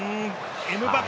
エムバペ。